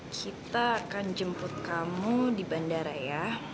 kita akan jemput kamu di bandara ya